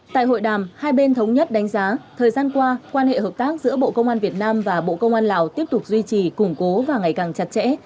tại hội đàm hai bên thống nhất đánh giá thời gian qua quan hệ hợp tác giữa bộ công an việt nam và bộ công an lào tiếp tục duy trì củng cố và ngày càng chặt chẽ